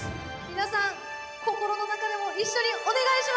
皆さん心の中でも一緒にお願いします！